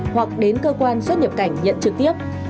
hoặc đến cơ quan xuất nhập cảnh nhận trực tiếp